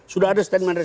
sudah ada stand man resmi